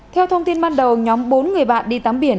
theo thông tin ban đầu nhóm bốn người bạn đi tắm biển